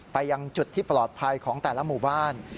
ไปยังจุดที่ปลอดภัยของแต่ละหมู่บ้าน